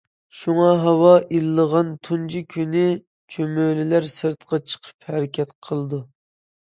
شۇڭا ھاۋا ئىللىغان تۇنجى كۈنى چۈمۈلىلەر سىرتقا چىقىپ ھەرىكەت قىلىدۇ.